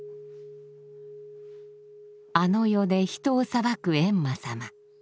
あの世で人を裁く閻魔さま。